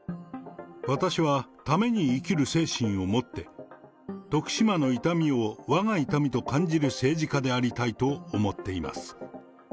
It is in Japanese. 私は為に生きる精神を持って、徳島の痛みをわが痛みと感じる政治家でありたいと思っています。